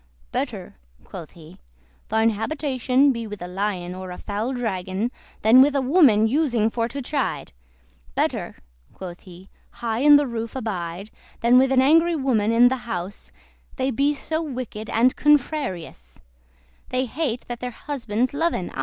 "Better (quoth he) thine habitation Be with a lion, or a foul dragon, Than with a woman using for to chide. Better (quoth he) high in the roof abide, Than with an angry woman in the house, They be so wicked and contrarious: They hate that their husbands loven aye."